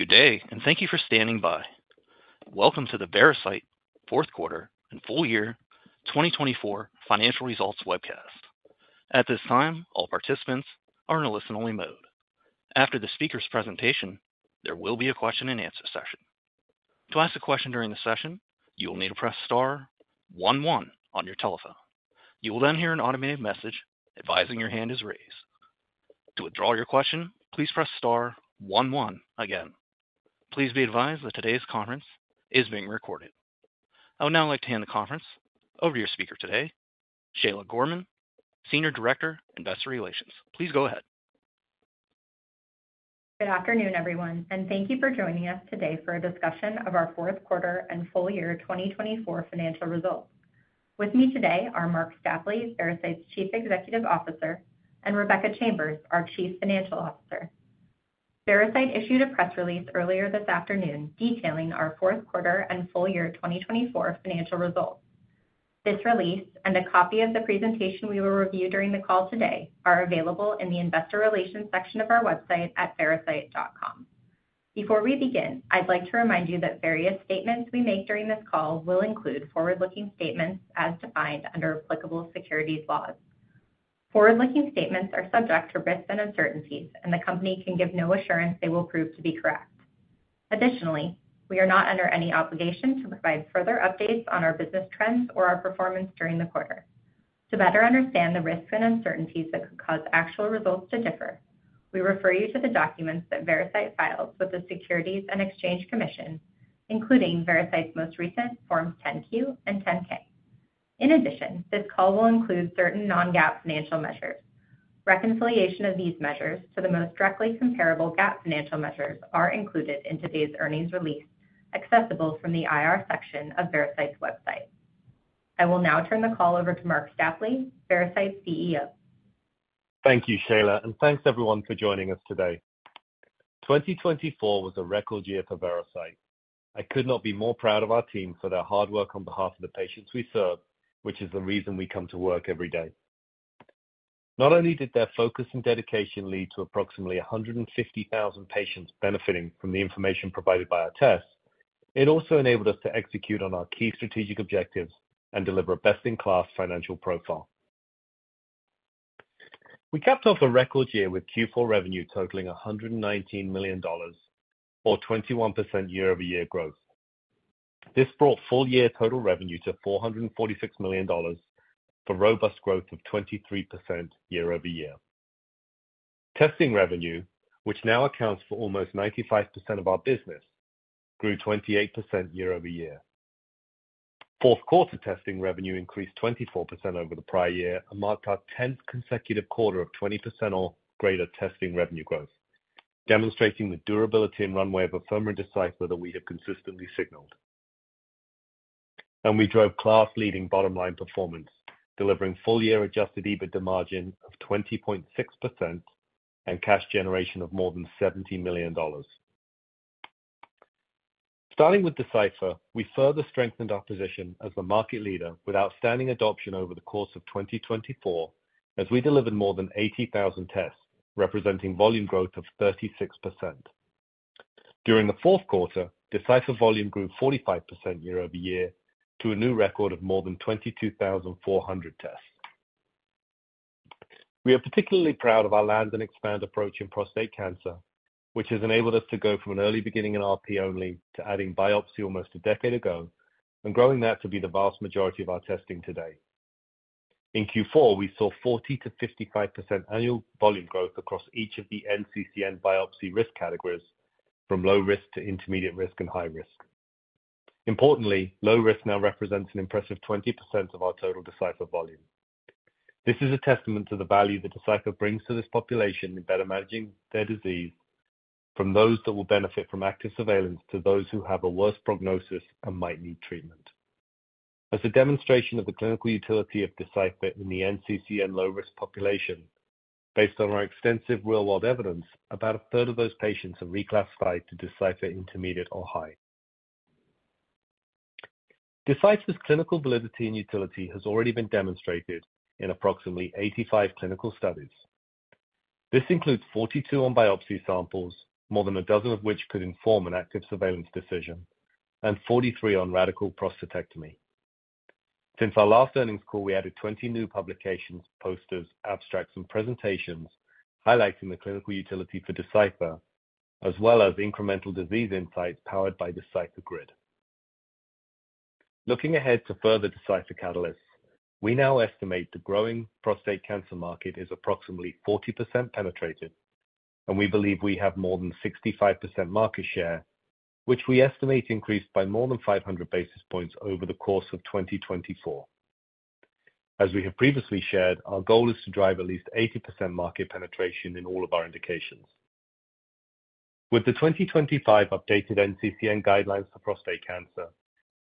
Good day, and thank you for standing by. Welcome to the Veracyte fourth quarter and full year 2024 financial results webcast. At this time, all participants are in a listen-only mode. After the speaker's presentation, there will be a question-and-answer session. To ask a question during the session, you will need to press star 11 on your telephone. You will then hear an automated message advising your hand is raised. To withdraw your question, please press star 11 again. Please be advised that today's conference is being recorded. I would now like to hand the conference over to your speaker today, Shayla Gorman, Senior Director, Investor Relations. Please go ahead. Good afternoon, everyone, and thank you for joining us today for a discussion of our 4th Quarter and Full Year 2024 Financial Results. With me today are Marc Stapley, Veracyte's Chief Executive Officer, and Rebecca Chambers, our Chief Financial Officer. Veracyte issued a press release earlier this afternoon detailing our 4th Quarter and Full Year 2024 Financial Results. This release and a copy of the presentation we will review during the call today are available in the Investor Relations section of our website at veracyte.com. Before we begin, I'd like to remind you that various statements we make during this call will include forward-looking statements as defined under applicable securities laws. Forward-looking statements are subject to risks and uncertainties, and the company can give no assurance they will prove to be correct. Additionally, we are not under any obligation to provide further updates on our business trends or our performance during the quarter. To better understand the risks and uncertainties that could cause actual results to differ, we refer you to the documents that Veracyte files with the Securities and Exchange Commission, including Veracyte's most recent Forms 10-Q and 10-K. In addition, this call will include certain non-GAAP financial measures. Reconciliation of these measures to the most directly comparable GAAP financial measures is included in today's earnings release accessible from the IR section of Veracyte's website. I will now turn the call over to Marc Stapley, Veracyte CEO. Thank you, Shayla, and thanks everyone for joining us today. 2024 was a record year for Veracyte. I could not be more proud of our team for their hard work on behalf of the patients we serve, which is the reason we come to work every day. Not only did their focus and dedication lead to approximately 150,000 patients benefiting from the information provided by our tests, it also enabled us to execute on our key strategic objectives and deliver a best-in-class financial profile. We capped off a record year with Q4 revenue totaling $119 million, or 21% year-over-year growth. This brought full-year total revenue to $446 million for robust growth of 23% year-over-year. Testing revenue, which now accounts for almost 95% of our business, grew 28% year-over-year. quarter testing revenue increased 24% over the prior year and marked our 10th consecutive quarter of 20% or greater testing revenue growth, demonstrating the durability and runway of Afirma and Decipher that we have consistently signaled, and we drove class-leading bottom-line performance, delivering full-year adjusted EBITDA margin of 20.6% and cash generation of more than $70 million. Starting with Decipher, we further strengthened our position as the market leader with outstanding adoption over the course of 2024, as we delivered more than 80,000 tests, representing volume growth of 36%. During the fourth quarter, Decipher volume grew 45% year-over-year to a new record of more than 22,400 tests. We are particularly proud of our land-and-expand approach in prostate cancer, which has enabled us to go from an early beginning in RP only to adding biopsy almost a decade ago and growing that to be the vast majority of our testing today. In Q4, we saw 40%-55% annual volume growth across each of the NCCN biopsy risk categories, from low risk to intermediate risk and high risk. Importantly, low risk now represents an impressive 20% of our total Decipher volume. This is a testament to the value that Decipher brings to this population in better managing their disease, from those that will benefit from active surveillance to those who have a worse prognosis and might need treatment. As a demonstration of the clinical utility of Decipher in the NCCN low-risk population, based on our extensive real-world evidence, about a third of those patients have reclassified to Decipher intermediate or high. Decipher's clinical validity and utility has already been demonstrated in approximately 85 clinical studies. This includes 42 on biopsy samples, more than a dozen of which could inform an active surveillance decision, and 43 on radical prostatectomy. Since our last earnings call, we added 20 new publications, posters, abstracts, and presentations highlighting the clinical utility for Decipher, as well as incremental disease insights powered by Decipher GRID. Looking ahead to further Decipher catalysts, we now estimate the growing prostate cancer market is approximately 40% penetrated, and we believe we have more than 65% market share, which we estimate increased by more than 500 basis points over the course of 2024. As we have previously shared, our goal is to drive at least 80% market penetration in all of our indications. With the 2025 updated NCCN guidelines for prostate cancer,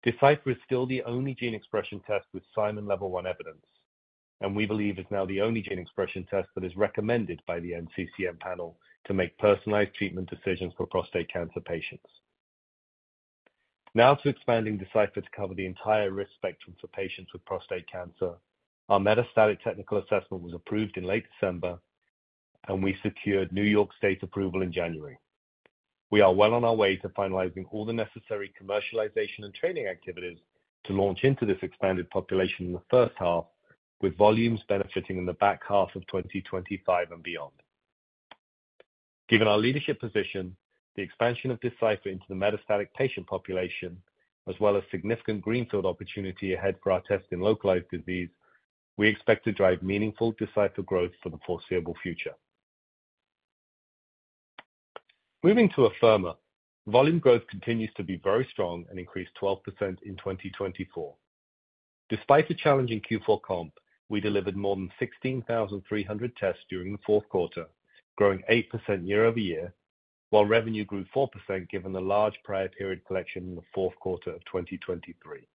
Decipher is still the only gene expression test with Simon Level 1 evidence, and we believe is now the only gene expression test that is recommended by the NCCN panel to make personalized treatment decisions for prostate cancer patients. Now to expanding Decipher to cover the entire risk spectrum for patients with prostate cancer, our metastatic technical assessment was approved in late December, and we secured New York State approval in January. We are well on our way to finalizing all the necessary commercialization and training activities to launch into this expanded population in the first half, with volumes benefiting in the back half of 2025 and beyond. Given our leadership position, the expansion of Decipher into the metastatic patient population, as well as significant greenfield opportunity ahead for our test in localized disease, we expect to drive meaningful Decipher growth for the foreseeable future. Moving to Afirma, volume growth continues to be very strong and increased 12% in 2024. Despite a challenging Q4 comp, we delivered more than 16,300 tests during the fourth quarter, growing 8% year-over-year, while revenue grew 4% given the large prior period collection in the fourth quarter of 2023.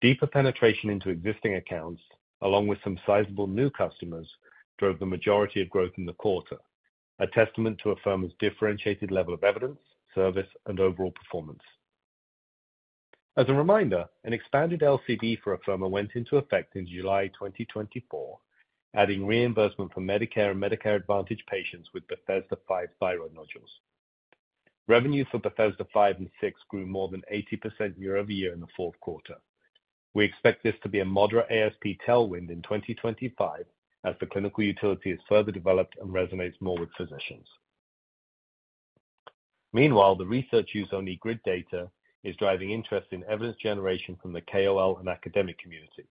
Deeper penetration into existing accounts, along with some sizable new customers, drove the majority of growth in the quarter, a testament to Afirma's differentiated level of evidence, service, and overall performance. As a reminder, an expanded LCD for Afirma went into effect in July 2024, adding reimbursement for Medicare and Medicare Advantage patients with Bethesda 5 thyroid nodules. Revenue for Bethesda 5/6 grew more than 80% year-over-year in the fourth quarter. We expect this to be a moderate ASP tailwind in 2025 as the clinical utility is further developed and resonates more with physicians. Meanwhile, the research-use-only GRID data is driving interest in evidence generation from the KOL and academic community.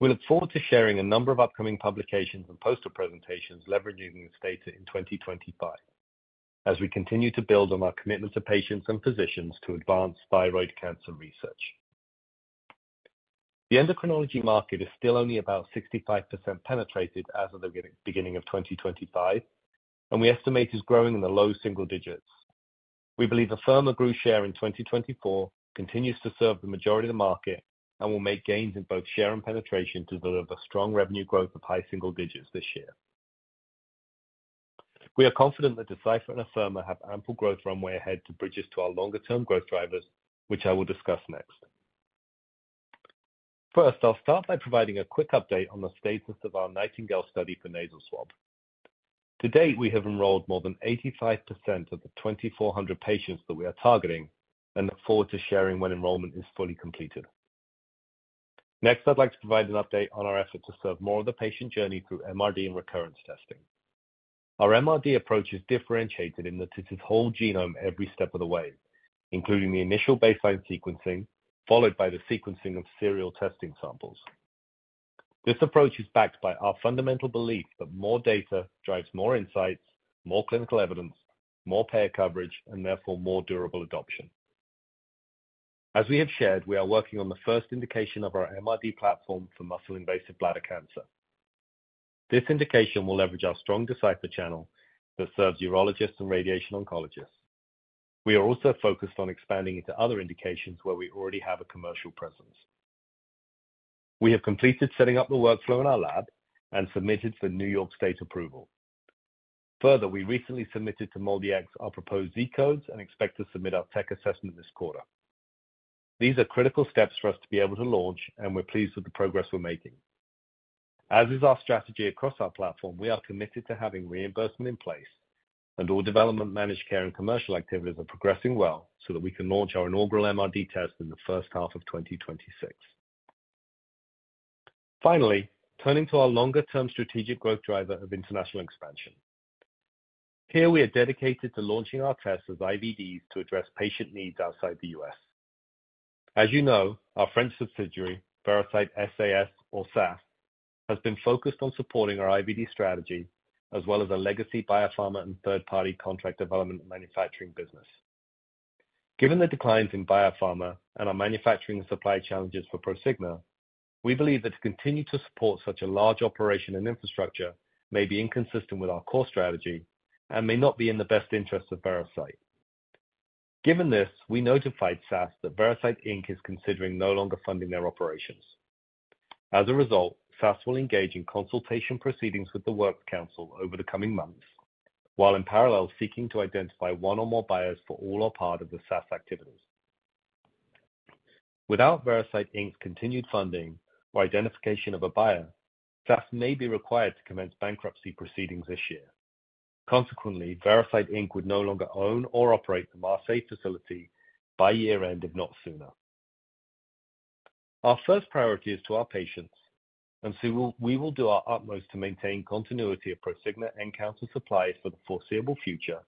We look forward to sharing a number of upcoming publications and poster presentations leveraging this data in 2025, as we continue to build on our commitment to patients and physicians to advance thyroid cancer research. The endocrinology market is still only about 65% penetrated as of the beginning of 2025, and we estimate it is growing in the low single digits. We believe Afirma grew share in 2024, continues to serve the majority of the market, and will make gains in both share and penetration to deliver strong revenue growth of high single digits this year. We are confident that Decipher and Afirma have ample growth runway ahead to bridge to our longer-term growth drivers, which I will discuss next. First, I'll start by providing a quick update on the status of our Nightingale study for nasal swab. To date, we have enrolled more than 85% of the 2,400 patients that we are targeting and look forward to sharing when enrollment is fully completed. Next, I'd like to provide an update on our effort to serve more of the patient journey through MRD and recurrence testing. Our MRD approach is differentiated in that it is whole genome every step of the way, including the initial baseline sequencing, followed by the sequencing of serial testing samples. This approach is backed by our fundamental belief that more data drives more insights, more clinical evidence, more payer coverage, and therefore more durable adoption. As we have shared, we are working on the first indication of our MRD platform for muscle-invasive bladder cancer. This indication will leverage our strong Decipher channel that serves urologists and radiation oncologists. We are also focused on expanding into other indications where we already have a commercial presence. We have completed setting up the workflow in our lab and submitted for New York State approval. Further, we recently submitted to MolDX our proposed Z codes and expect to submit our tech assessment this quarter. These are critical steps for us to be able to launch, and we're pleased with the progress we're making. As is our strategy across our platform, we are committed to having reimbursement in place, and all development, managed care, and commercial activities are progressing well so that we can launch our inaugural MRD test in the first half of 2026. Finally, turning to our longer-term strategic growth driver of international expansion. Here, we are dedicated to launching our tests as IVDs to address patient needs outside the U.S. As you know, our French subsidiary, Veracyte SAS, or SAS, has been focused on supporting our IVD strategy, as well as a legacy biopharma and third-party contract development manufacturing business. Given the declines in biopharma and our manufacturing and supply challenges for Prosigna, we believe that to continue to support such a large operation and infrastructure may be inconsistent with our core strategy and may not be in the best interests of Veracyte. Given this, we notified SAS that Veracyte Inc. is considering no longer funding their operations. As a result, SAS will engage in consultation proceedings with the Works Council over the coming months, while in parallel seeking to identify one or more buyers for all or part of the SAS activities. Without Veracyte Inc.'s continued funding or identification of a buyer, SAS may be required to commence bankruptcy proceedings this year. Consequently, Veracyte Inc. would no longer own or operate the Marseille facility by year-end, if not sooner. Our first priority is to our patients, and so we will do our utmost to maintain continuity of Prosigna nCounter supplies for the foreseeable future,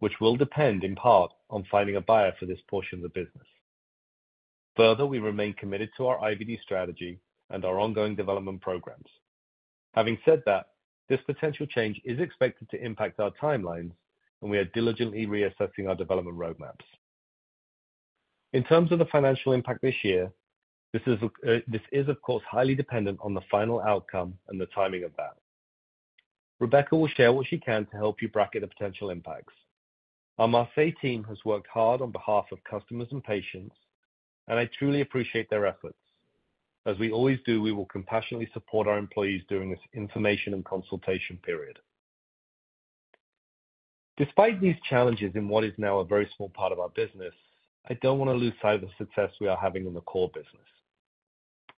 which will depend in part on finding a buyer for this portion of the business. Further, we remain committed to our IVD strategy and our ongoing development programs. Having said that, this potential change is expected to impact our timelines, and we are diligently reassessing our development roadmaps. In terms of the financial impact this year, this is, of course, highly dependent on the final outcome and the timing of that. Rebecca will share what she can to help you bracket the potential impacts. Our Marseille team has worked hard on behalf of customers and patients, and I truly appreciate their efforts. As we always do, we will compassionately support our employees during this information and consultation period. Despite these challenges in what is now a very small part of our business, I don't want to lose sight of the success we are having in the core business.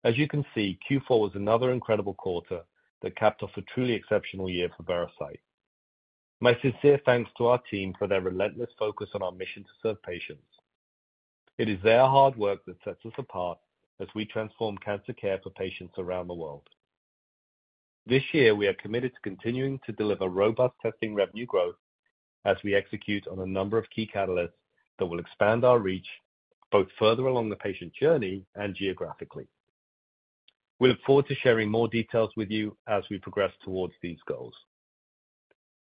As you can see, Q4 was another incredible quarter that capped off a truly exceptional year for Veracyte. My sincere thanks to our team for their relentless focus on our mission to serve patients. It is their hard work that sets us apart as we transform cancer care for patients around the world. This year, we are committed to continuing to deliver robust testing revenue growth as we execute on a number of key catalysts that will expand our reach both further along the patient journey and geographically. We look forward to sharing more details with you as we progress towards these goals.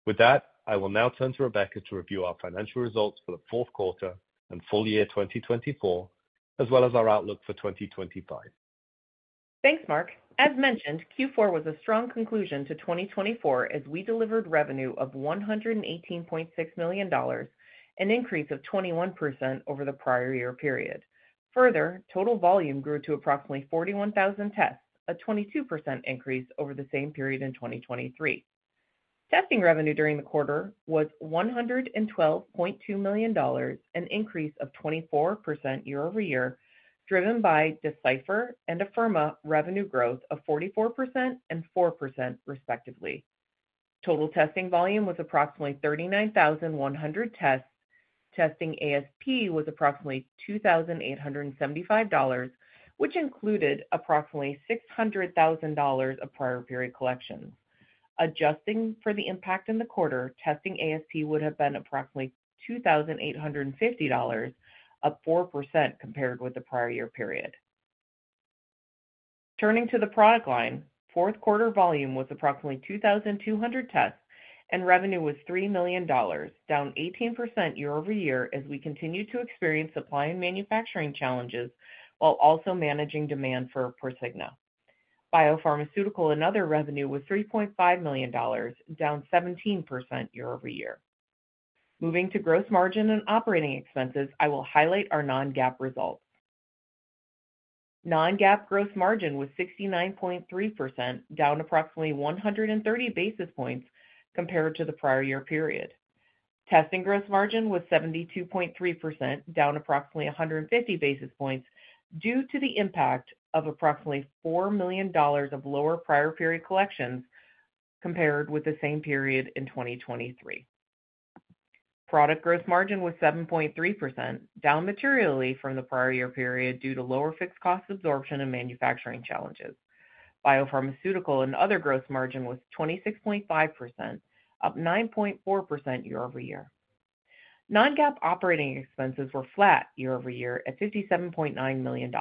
With that, I will now turn to Rebecca to review our financial results for the fourth quarter and full year 2024, as well as our outlook for 2025. Thanks, Marc. As mentioned, Q4 was a strong conclusion to 2024 as we delivered revenue of $118.6 million, an increase of 21% over the prior year period. Further, total volume grew to approximately 41,000 tests, a 22% increase over the same period in 2023. Testing revenue during the quarter was $112.2 million, an increase of 24% year-over-year, driven by Decipher and Afirma revenue growth of 44% and 4%, respectively. Total testing volume was approximately 39,100 tests. Testing ASP was approximately $2,875, which included approximately $600,000 of prior period collections. Adjusting for the impact in the quarter, testing ASP would have been approximately $2,850, up 4% compared with the prior year period. Turning to the product line, fourth quarter volume was approximately 2,200 tests, and revenue was $3 million, down 18% year-over-year as we continue to experience supply and manufacturing challenges while also managing demand for Prosigna. Biopharmaceutical and other revenue was $3.5 million, down 17% year-over-year. Moving to gross margin and operating expenses, I will highlight our non-GAAP results. Non-GAAP gross margin was 69.3%, down approximately 130 basis points compared to the prior year period. Testing gross margin was 72.3%, down approximately 150 basis points due to the impact of approximately $4 million of lower prior period collections compared with the same period in 2023. Product gross margin was 7.3%, down materially from the prior year period due to lower fixed cost absorption and manufacturing challenges. Biopharmaceutical and other gross margin was 26.5%, up 9.4% year-over-year. Non-GAAP operating expenses were flat year-over-year at $57.9 million.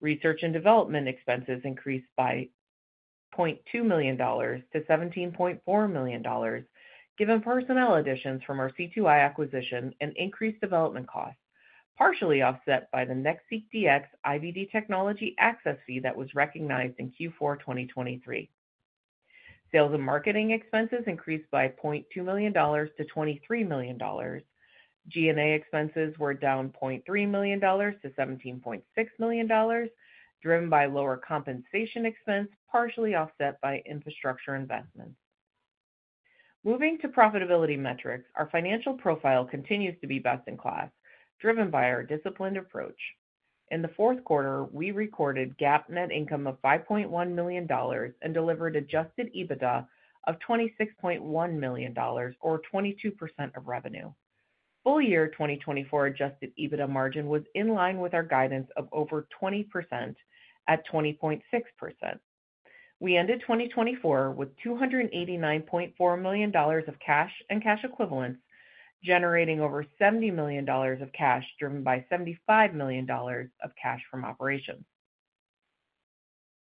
Research and development expenses increased by $0.2 million to $17.4 million, given personnel additions from our C2i acquisition and increased development costs, partially offset by the NanoString IVD technology access fee that was recognized in Q4 2023. Sales and marketing expenses increased by $0.2 million to $23 million. G&A expenses were down $0.3 million to $17.6 million, driven by lower compensation expense, partially offset by infrastructure investments. Moving to profitability metrics, our financial profile continues to be best in class, driven by our disciplined approach. In the fourth quarter, we recorded GAAP net income of $5.1 million and delivered adjusted EBITDA of $26.1 million, or 22% of revenue. Full year 2024 adjusted EBITDA margin was in line with our guidance of over 20% at 20.6%. We ended 2024 with $289.4 million of cash and cash equivalents, generating over $70 million of cash, driven by $75 million of cash from operations.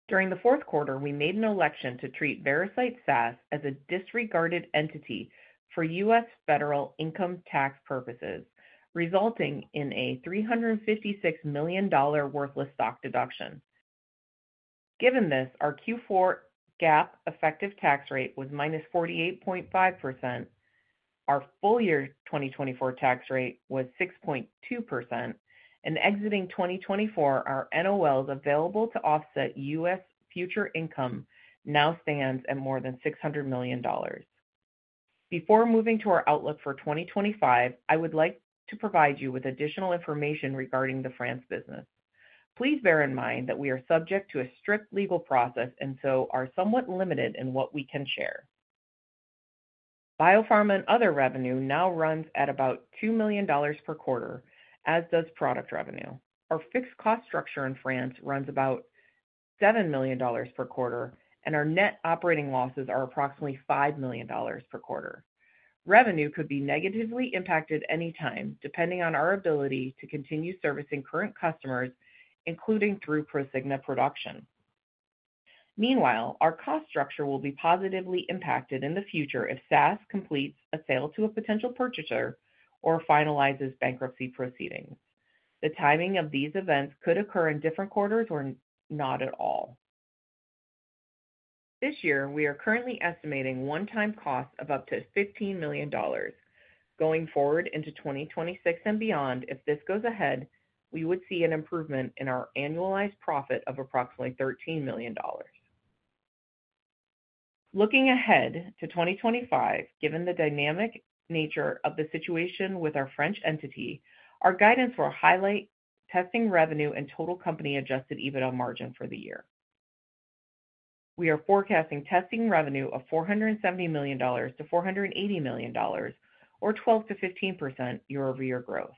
During the fourth quarter, we made an election to treat Veracyte SAS as a disregarded entity for U.S. federal income tax purposes, resulting in a $356 million worthless stock deduction. Given this, our Q4 GAAP effective tax rate was -48.5%. Our full year 2024 tax rate was 6.2%. In exiting 2024, our NOLs available to offset U.S. future income now stands at more than $600 million. Before moving to our outlook for 2025, I would like to provide you with additional information regarding the France business. Please bear in mind that we are subject to a strict legal process and so are somewhat limited in what we can share. Biopharma and other revenue now runs at about $2 million per quarter, as does product revenue. Our fixed cost structure in France runs about $7 million per quarter, and our net operating losses are approximately $5 million per quarter. Revenue could be negatively impacted anytime, depending on our ability to continue servicing current customers, including through Prosigna production. Meanwhile, our cost structure will be positively impacted in the future if SAS completes a sale to a potential purchaser or finalizes bankruptcy proceedings. The timing of these events could occur in different quarters or not at all. This year, we are currently estimating one-time costs of up to $15 million. Going forward into 2026 and beyond, if this goes ahead, we would see an improvement in our annualized profit of approximately $13 million. Looking ahead to 2025, given the dynamic nature of the situation with our French entity, our guidance will highlight testing revenue and total company-adjusted EBITDA margin for the year. We are forecasting testing revenue of $470 million-$480 million, or 12%-15% year-over-year growth.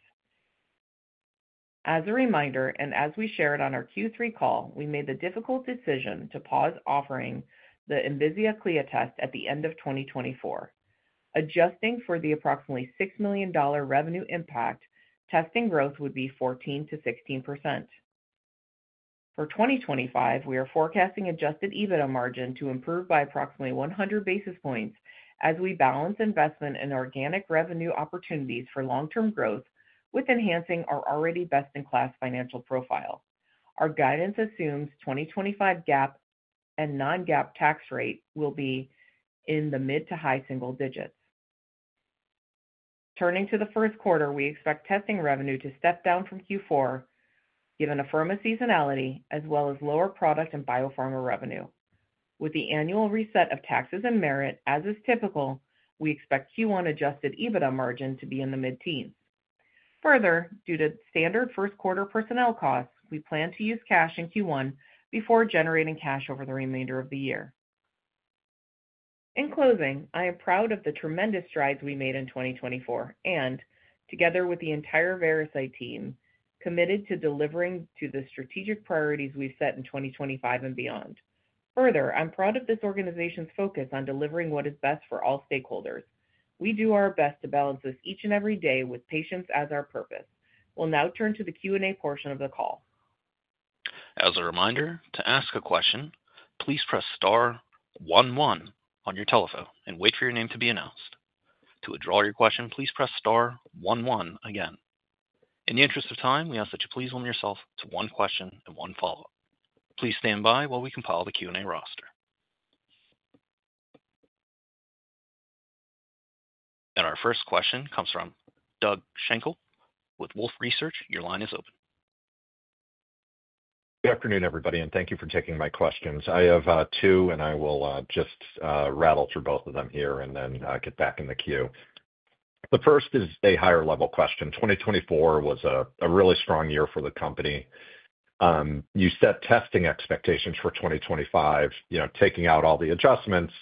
As a reminder, and as we shared on our Q3 call, we made the difficult decision to pause offering the Envisia test at the end of 2024. Adjusting for the approximately $6 million revenue impact, testing growth would be 14%-16%. For 2025, we are forecasting Adjusted EBITDA margin to improve by approximately 100 basis points as we balance investment and organic revenue opportunities for long-term growth with enhancing our already best-in-class financial profile. Our guidance assumes 2025 GAAP and non-GAAP tax rate will be in the mid to high single digits. Turning to the first quarter, we expect testing revenue to step down from Q4, given Afirma's seasonality as well as lower product and biopharma revenue. With the annual reset of taxes and merit, as is typical, we expect Q1 Adjusted EBITDA margin to be in the mid-teens. Further, due to standard first-quarter personnel costs, we plan to use cash in Q1 before generating cash over the remainder of the year. In closing, I am proud of the tremendous strides we made in 2024 and, together with the entire Veracyte team, committed to delivering to the strategic priorities we've set in 2025 and beyond. Further, I'm proud of this organization's focus on delivering what is best for all stakeholders. We do our best to balance this each and every day with patients as our purpose. We'll now turn to the Q&A portion of the call. As a reminder, to ask a question, please press star one one on your telephone and wait for your name to be announced. To withdraw your question, please press star one one again. In the interest of time, we ask that you please limit yourself to one question and one follow-up. Please stand by while we compile the Q&A roster, and our first question comes from Doug Schenkel with Wolfe Research. Your line is open. Good afternoon, everybody, and thank you for taking my questions. I have two, and I will just rattle through both of them here and then get back in the queue. The first is a higher-level question. 2024 was a really strong year for the company. You set testing expectations for 2025, taking out all the adjustments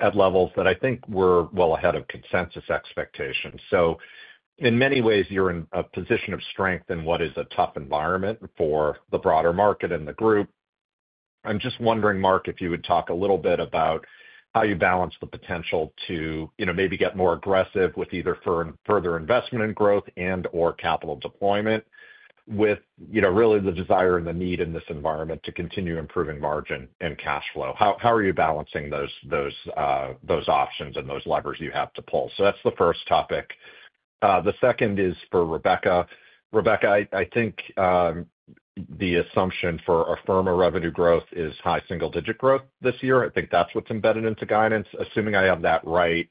at levels that I think were well ahead of consensus expectations. So, in many ways, you're in a position of strength in what is a tough environment for the broader market and the group. I'm just wondering, Marc, if you would talk a little bit about how you balance the potential to maybe get more aggressive with either further investment in growth and/or capital deployment with really the desire and the need in this environment to continue improving margin and cash flow. How are you balancing those options and those levers you have to pull? So that's the first topic. The second is for Rebecca. Rebecca, I think the assumption for Afirma revenue growth is high single-digit growth this year. I think that's what's embedded into guidance, assuming I have that right.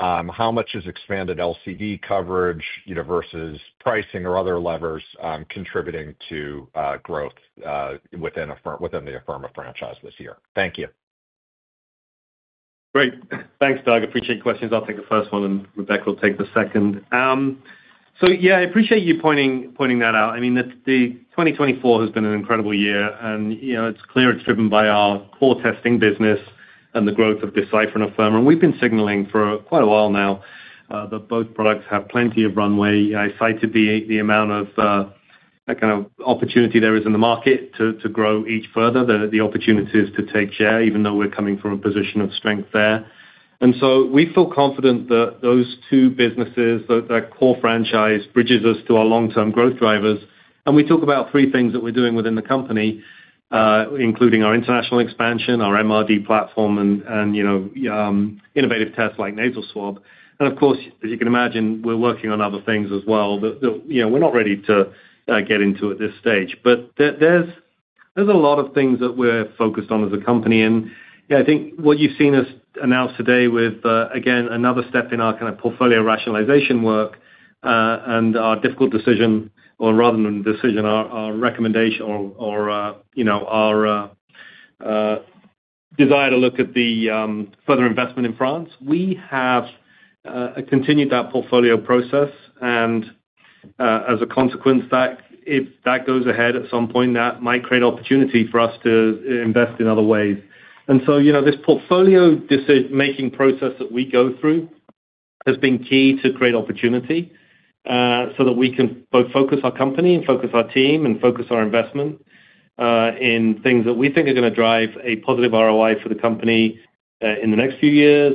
How much has expanded LCD coverage versus pricing or other levers contributing to growth within the Afirma franchise this year? Thank you. Great. Thanks, Doug. Appreciate the questions. I'll take the first one, and Rebecca will take the second. So, yeah, I appreciate you pointing that out. I mean, the 2024 has been an incredible year, and it's clear it's driven by our core testing business and the growth of Decipher and Afirma. And we've been signaling for quite a while now that both products have plenty of runway. I see the amount of kind of opportunity there is in the market to grow each further, the opportunities to take share, even though we're coming from a position of strength there. So we feel confident that those two businesses, that core franchise bridges us to our long-term growth drivers. We talk about three things that we're doing within the company, including our international expansion, our MRD platform, and innovative tests like nasal swab. Of course, as you can imagine, we're working on other things as well that we're not ready to get into at this stage. But there's a lot of things that we're focused on as a company. And I think what you've seen us announce today with, again, another step in our kind of portfolio rationalization work and our difficult decision, or rather than decision, our recommendation or our desire to look at the further investment in France. We have continued that portfolio process, and as a consequence, if that goes ahead at some point, that might create opportunity for us to invest in other ways. And so this portfolio decision-making process that we go through has been key to create opportunity so that we can both focus our company and focus our team and focus our investment in things that we think are going to drive a positive ROI for the company in the next few years,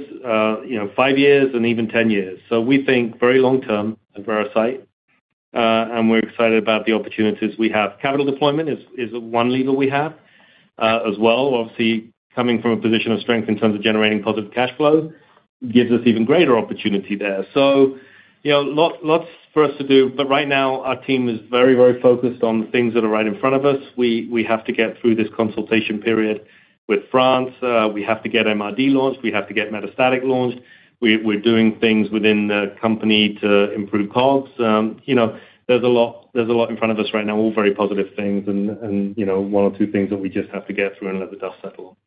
five years, and even 10 years. So we think very long-term at Veracyte, and we're excited about the opportunities we have. Capital deployment is one lever we have as well. Obviously, coming from a position of strength in terms of generating positive cash flow gives us even greater opportunity there. So lots for us to do, but right now, our team is very, very focused on the things that are right in front of us. We have to get through this consultation period with France. We have to get MRD launched. We have to get metastatic launched. We're doing things within the company to improve COGS. There's a lot in front of us right now, all very positive things and one or two things that we just have to get through and let the dust settle.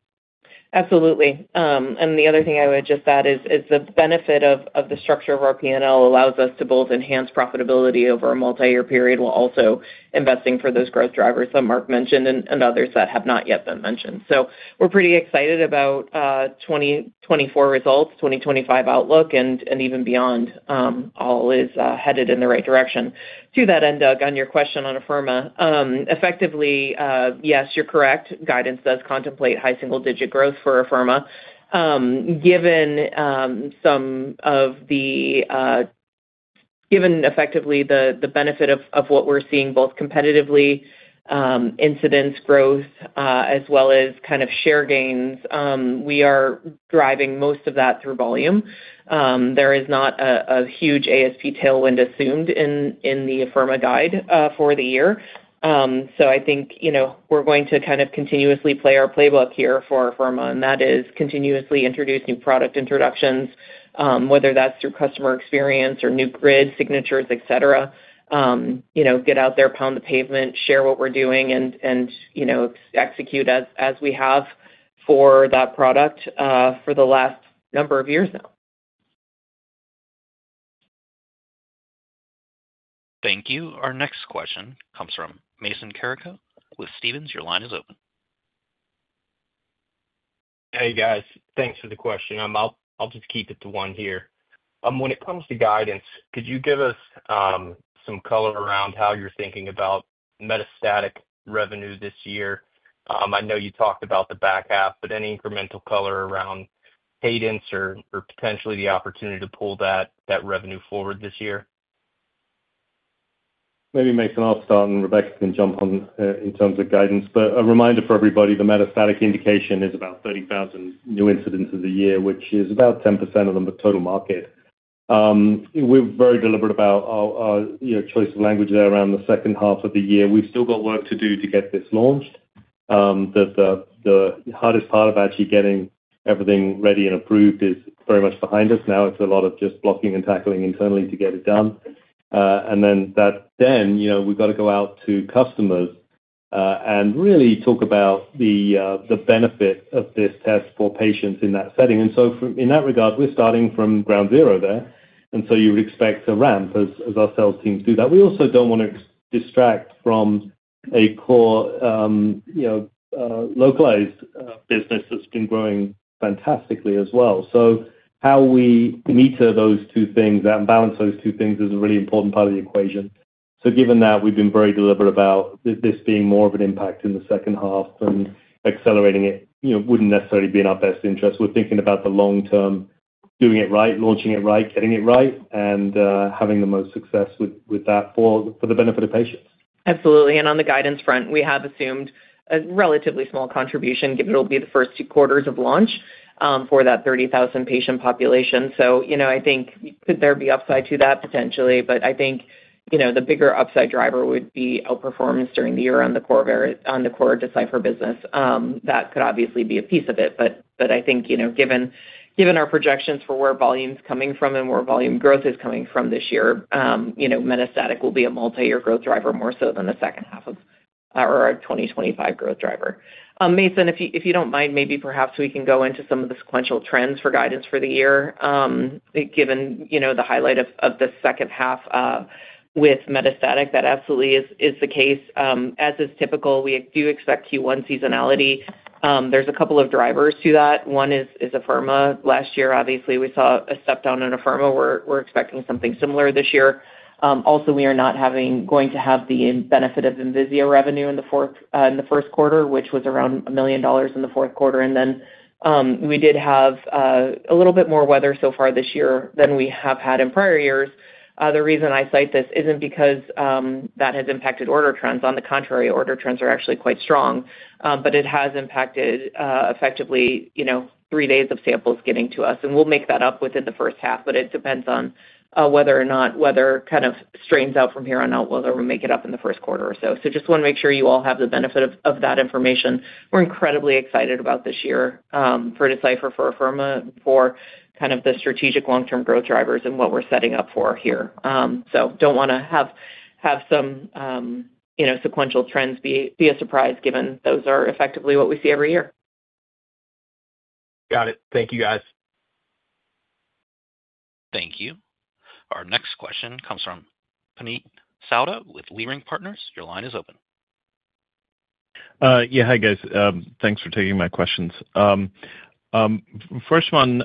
Absolutely. And the other thing I would just add is the benefit of the structure of our P&L allows us to both enhance profitability over a multi-year period while also investing for those growth drivers that Marc mentioned and others that have not yet been mentioned. So we're pretty excited about 2024 results, 2025 outlook, and even beyond. All is headed in the right direction. To that end, Doug, on your question on Afirma, effectively, yes, you're correct. Guidance does contemplate high single-digit growth for Afirma. Given some of the, effectively, the benefit of what we're seeing both competitively incidence growth as well as kind of share gains, we are driving most of that through volume. There is not a huge ASP tailwind assumed in the Afirma guide for the year. So I think we're going to kind of continuously play our playbook here for Afirma, and that is continuously introduce new product introductions, whether that's through customer experience or new GRID signatures, etc. Get out there, pound the pavement, share what we're doing, and execute as we have for that product for the last number of years now. Thank you. Our next question comes from Mason Carrico with Stephens. Your line is open. Hey, guys. Thanks for the question. I'll just keep it to one here. When it comes to guidance, could you give us some color around how you're thinking about metastatic revenue this year? I know you talked about the back half, but any incremental color around cadence or potentially the opportunity to pull that revenue forward this year? Maybe Mason, I'll start, and Rebecca can jump on in terms of guidance. A reminder for everybody, the metastatic indication is about 30,000 new incidences a year, which is about 10% of the total market. We're very deliberate about our choice of language there around the second half of the year. We've still got work to do to get this launched. The hardest part of actually getting everything ready and approved is very much behind us. Now it's a lot of just blocking and tackling internally to get it done. And then that. Then we've got to go out to customers and really talk about the benefit of this test for patients in that setting. And so in that regard, we're starting from ground zero there. And so you would expect a ramp as our sales teams do that. We also don't want to distract from a core localized business that's been growing fantastically as well. So how we meter those two things and balance those two things is a really important part of the equation. So given that, we've been very deliberate about this being more of an impact in the second half and accelerating it wouldn't necessarily be in our best interest. We're thinking about the long-term, doing it right, launching it right, getting it right, and having the most success with that for the benefit of patients. Absolutely. And on the guidance front, we have assumed a relatively small contribution, given it'll be the first two quarters of launch for that 30,000 patient population. So I think could there be upside to that potentially, but I think the bigger upside driver would be outperformance during the year on the core Decipher business. That could obviously be a piece of it, but I think given our projections for where volume's coming from and where volume growth is coming from this year, metastatic will be a multi-year growth driver more so than the second half of our 2025 growth driver. Mason, if you don't mind, maybe perhaps we can go into some of the sequential trends for guidance for the year. Given the highlight of the second half with metastatic, that absolutely is the case. As is typical, we do expect Q1 seasonality. There's a couple of drivers to that. One is Afirma. Last year, obviously, we saw a step down in Afirma. We're expecting something similar this year. Also, we are not going to have the benefit of Envisia revenue in the first quarter, which was around $1 million in the fourth quarter. We did have a little bit more weather so far this year than we have had in prior years. The reason I cite this isn't because that has impacted order trends. On the contrary, order trends are actually quite strong, but it has impacted effectively three days of samples getting to us. We'll make that up within the first half, but it depends on whether or not weather kind of straightens out from here on out, whether we make it up in the first quarter or so. Just want to make sure you all have the benefit of that information. We're incredibly excited about this year for Decipher, for Afirma, for kind of the strategic long-term growth drivers and what we're setting up for here. Don't want to have some sequential trends be a surprise given those are effectively what we see every year. Got it. Thank you, guys. Thank you. Our next question comes from Puneet Souda with Leerink Partners. Your line is open. Yeah, hi guys. Thanks for taking my questions. First one,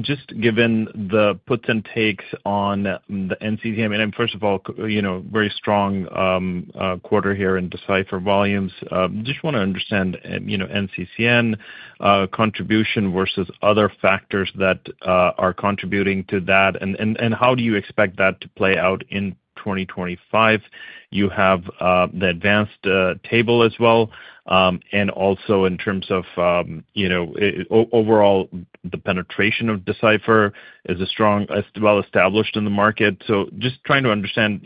just given the puts and takes on the NCCN, and first of all, very strong quarter here in Decipher volumes. Just want to understand NCCN contribution versus other factors that are contributing to that, and how do you expect that to play out in 2025? You have the advanced table as well, and also in terms of overall, the penetration of Decipher is well established in the market. So just trying to understand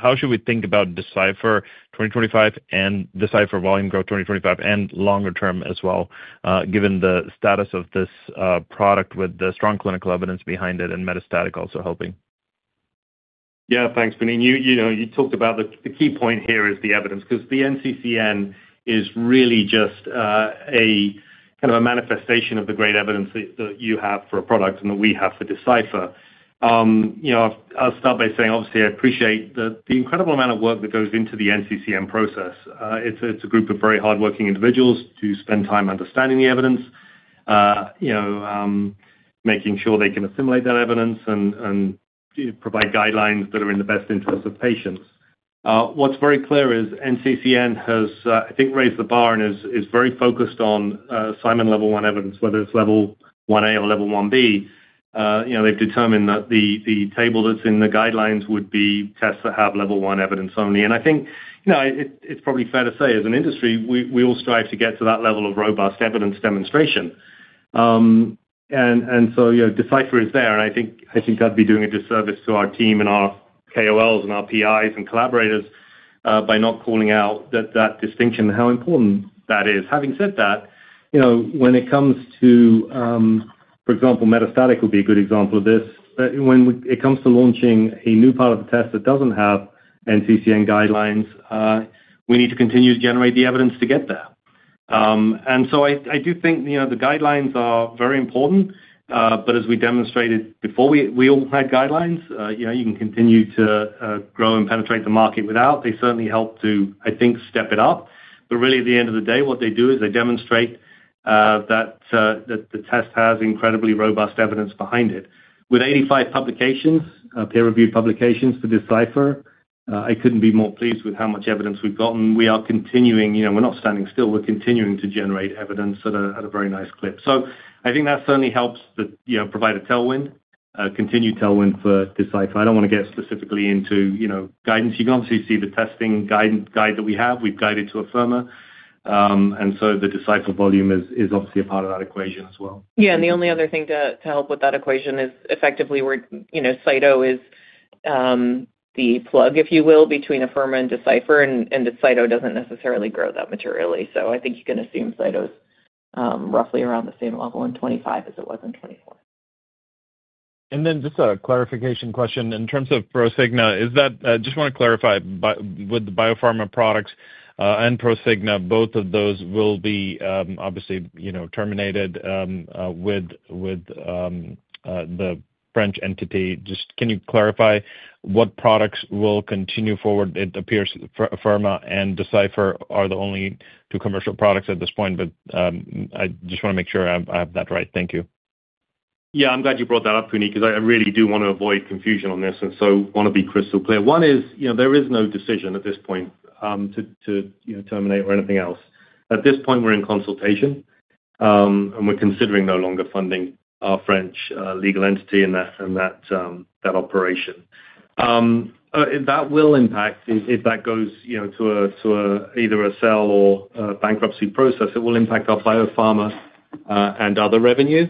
how should we think about Decipher 2025 and Decipher volume growth 2025 and longer term as well, given the status of this product with the strong clinical evidence behind it and metastatic also helping. Yeah, thanks, Puneet. You talked about the key point here is the evidence because the NCCN is really just a kind of a manifestation of the great evidence that you have for a product and that we have for Decipher. I'll start by saying, obviously, I appreciate the incredible amount of work that goes into the NCCN process. It's a group of very hardworking individuals who spend time understanding the evidence, making sure they can assimilate that evidence and provide guidelines that are in the best interest of patients. What's very clear is NCCN has, I think, raised the bar and is very focused on Simon Level 1 evidence, whether it's Level 1A or Level 1B. They've determined that the table that's in the guidelines would be tests that have Level 1 evidence only. I think it's probably fair to say, as an industry, we all strive to get to that level of robust evidence demonstration. And so Decipher is there, and I think that'd be doing a disservice to our team and our KOLs and our PIs and collaborators by not calling out that distinction and how important that is. Having said that, when it comes to, for example, metastatic would be a good example of this, when it comes to launching a new part of the test that doesn't have NCCN guidelines, we need to continue to generate the evidence to get there. And so I do think the guidelines are very important, but as we demonstrated before, we all had guidelines. You can continue to grow and penetrate the market without. They certainly help to, I think, step it up. But really, at the end of the day, what they do is they demonstrate that the test has incredibly robust evidence behind it. With 85 publications, peer-reviewed publications for Decipher, I couldn't be more pleased with how much evidence we've gotten. We are continuing. We're not standing still. We're continuing to generate evidence at a very nice clip. So I think that certainly helps to provide a tailwind, continue tailwind for Decipher. I don't want to get specifically into guidance. You can obviously see the testing guide that we have. We've guided to Afirma. And so the Decipher volume is obviously a part of that equation as well. Yeah, and the only other thing to help with that equation is effectively where Cyto is the plug, if you will, between Afirma and Decipher, and Cyto doesn't necessarily grow that materially. So I think you can assume Cyto is roughly around the same level in 2025 as it was in 2024. And then just a clarification question. In terms of Prosigna, is that, just want to clarify, with the biopharma products and Prosigna, both of those will be obviously terminated with the French entity. Just can you clarify what products will continue forward? It appears Afirma and Decipher are the only two commercial products at this point, but I just want to make sure I have that right. Thank you. Yeah, I'm glad you brought that up, Puneet, because I really do want to avoid confusion on this, and so want to be crystal clear. One is there is no decision at this point to terminate or anything else. At this point, we're in consultation, and we're considering no longer funding our French legal entity and that operation. That will impact if that goes to either a sale or a bankruptcy process. It will impact our biopharma and other revenue,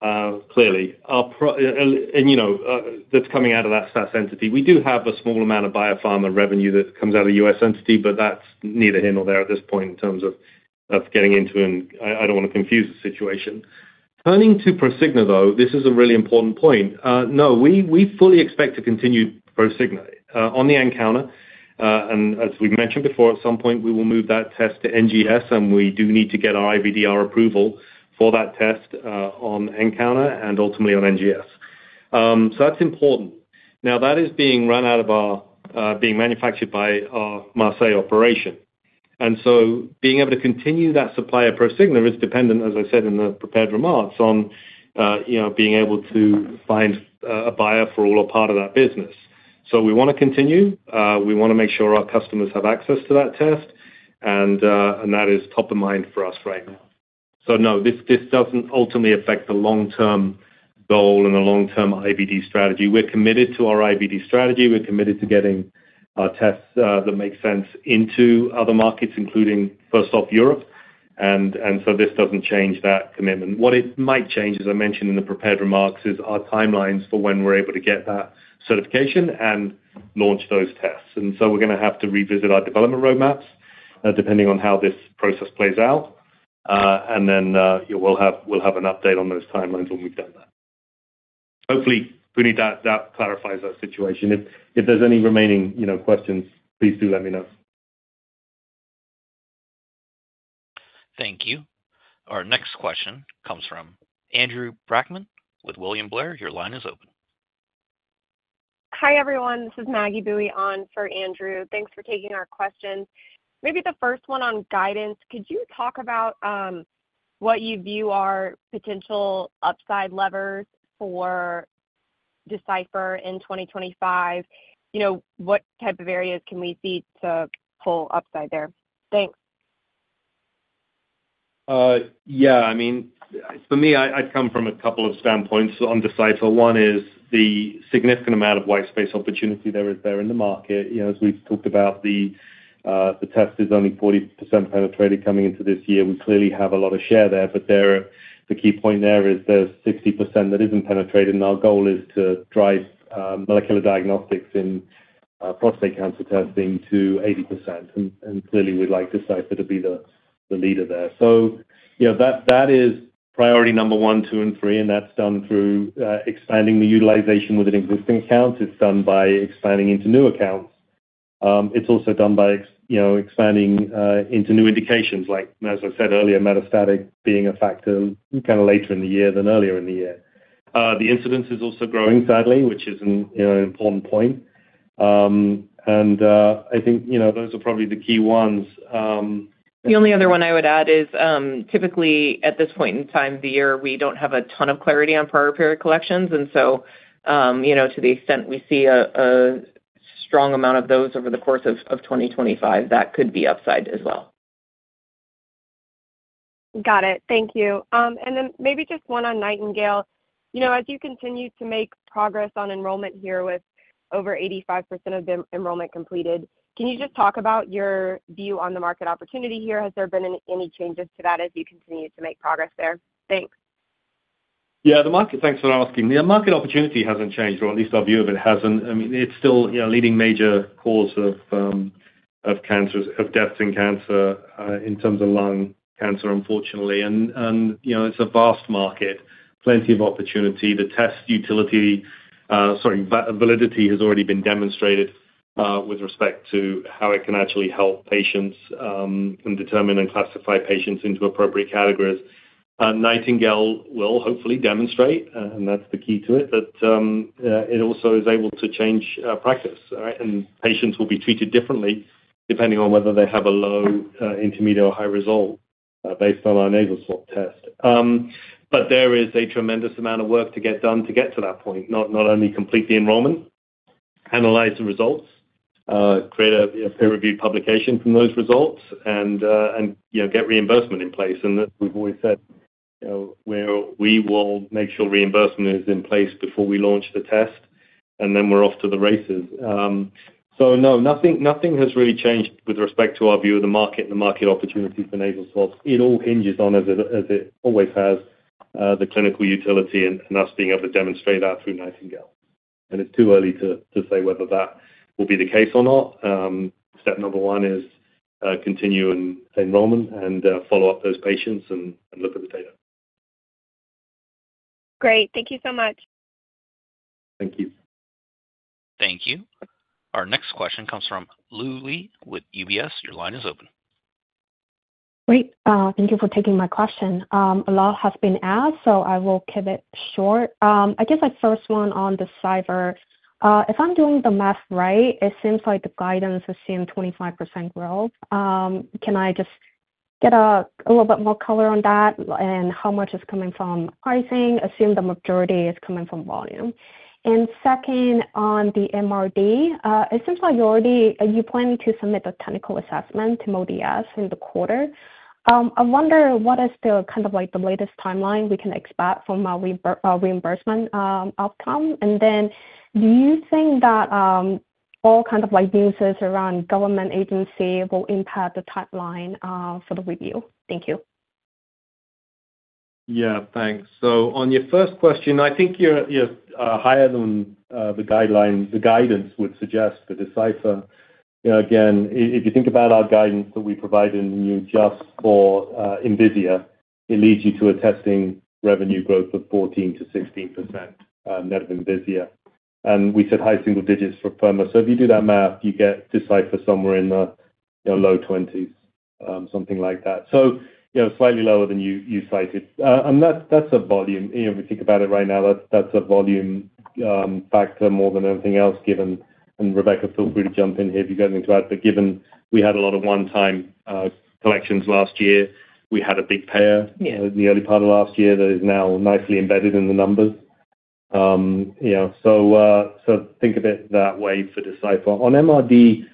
clearly, and that's coming out of that SAS entity. We do have a small amount of biopharma revenue that comes out of the U.S. entity, but that's neither here nor there at this point in terms of getting into it, and I don't want to confuse the situation. Turning to Prosigna, though, this is a really important point. No, we fully expect to continue Prosigna on the nCounter, and as we mentioned before, at some point, we will move that test to NGS, and we do need to get our IVDR approval for that test on nCounter and ultimately on NGS, so that's important. Now, that is being run out of our, being manufactured by our Marseille operation. And so, being able to continue supplying Prosigna is dependent, as I said in the prepared remarks, on being able to find a buyer for all or part of that business. So we want to continue. We want to make sure our customers have access to that test, and that is top of mind for us right now. So no, this doesn't ultimately affect the long-term goal and the long-term IVD strategy. We're committed to our IVD strategy. We're committed to getting our tests that make sense into other markets, including first off Europe. And so this doesn't change that commitment. What it might change, as I mentioned in the prepared remarks, is our timelines for when we're able to get that certification and launch those tests. And so we're going to have to revisit our development roadmaps depending on how this process plays out. And then we'll have an update on those timelines when we've done that. Hopefully, Puneet, that clarifies that situation. If there's any remaining questions, please do let me know. Thank you. Our next question comes from Andrew Brackman with William Blair. Your line is open. Hi everyone. This is Maggie Boeye on for Andrew. Thanks for taking our questions. Maybe the first one on guidance. Could you talk about what you view are potential upside levers for Decipher in 2025? What type of areas can we see to pull upside there? Thanks. Yeah, I mean, for me, I've come from a couple of standpoints on Decipher. One is the significant amount of white space opportunity there is in the market. As we've talked about, the test is only 40% penetrated coming into this year. We clearly have a lot of share there, but the key point there is there's 60% that isn't penetrated, and our goal is to drive molecular diagnostics in prostate cancer testing to 80%. And clearly, we'd like Decipher to be the leader there. So that is priority number one, two, and three, and that's done through expanding the utilization with an existing account. It's done by expanding into new accounts. It's also done by expanding into new indications, like, as I said earlier, metastatic being a factor kind of later in the year than earlier in the year. The incidence is also growing, sadly, which is an important point. And I think those are probably the key ones. The only other one I would add is typically at this point in time of the year, we don't have a ton of clarity on prior period collections. And so to the extent we see a strong amount of those over the course of 2025, that could be upside as well. Got it. Thank you. And then maybe just one on Nightingale. As you continue to make progress on enrollment here with over 85% of enrollment completed, can you just talk about your view on the market opportunity here? Has there been any changes to that as you continue to make progress there? Thanks. Yeah, the market. Thanks for asking. The market opportunity hasn't changed, or at least our view of it hasn't. I mean, it's still a leading major cause of death in cancer in terms of lung cancer, unfortunately. And it's a vast market, plenty of opportunity. The test validity has already been demonstrated with respect to how it can actually help patients and determine and classify patients into appropriate categories. Nightingale will hopefully demonstrate, and that's the key to it, that it also is able to change practice, and patients will be treated differently depending on whether they have a low, intermediate, or high result based on our nasal swab test, but there is a tremendous amount of work to get done to get to that point, not only complete the enrollment, analyze the results, create a peer-reviewed publication from those results, and get reimbursement in place, and we've always said we will make sure reimbursement is in place before we launch the test, and then we're off to the races, so no, nothing has really changed with respect to our view of the market and the market opportunity for nasal swabs. It all hinges on, as it always has, the clinical utility and us being able to demonstrate that through Nightingale. And it's too early to say whether that will be the case or not. Step number one is continue enrollment and follow up those patients and look at the data. Great. Thank you so much. Thank you. Thank you. Our next question comes from Lilly with UBS. Your line is open. Great. Thank you for taking my question. A lot has been asked, so I will keep it short. I guess my first one on Decipher, if I'm doing the math right, it seems like the guidance is seeing 25% growth. Can I just get a little bit more color on that and how much is coming from pricing? Assume the majority is coming from volume. And second, on the MRD, it seems like you're already planning to submit a technical assessment to MolDX in the quarter. I wonder what is the kind of the latest timeline we can expect from our reimbursement outcome? And then do you think that all kind of news around government agency will impact the timeline for the review? Thank you. Yeah, thanks. So on your first question, I think you're higher than the guidance would suggest for Decipher. Again, if you think about our guidance that we provide in the news just for NVIDIA, it leads you to a testing revenue growth of 14%-16% net of NVIDIA. And we said high single digits for Afirma. So if you do that math, you get Decipher somewhere in the low 20s, something like that. So slightly lower than you cited. And that's a volume. If you think about it right now, that's a volume factor more than anything else given, and Rebecca, feel free to jump in here if you've got anything to add, but given we had a lot of one-time collections last year, we had a big payer in the early part of last year that is now nicely embedded in the numbers. So think of it that way for Decipher. On MRD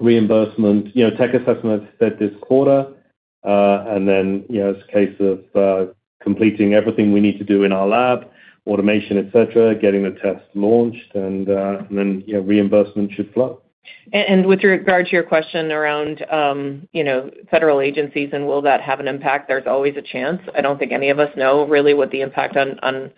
reimbursement, tech assessment said this quarter, and then it's a case of completing everything we need to do in our lab, automation, etc., getting the test launched, and then reimbursement should flow, And with regard to your question around federal agencies and will that have an impact, there's always a chance. I don't think any of us know really what the impact on